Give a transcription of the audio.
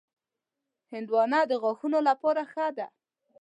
هندوانه د غاښونو لپاره ښه ده.